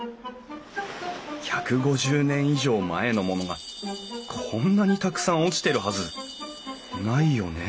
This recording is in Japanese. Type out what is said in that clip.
１５０年以上前のものがこんなにたくさん落ちてるはずないよね？